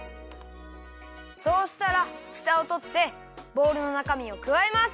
そうしたらふたをとってボウルのなかみをくわえます。